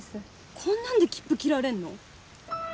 こんなんで切符切られんの？